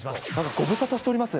ご無沙汰しております。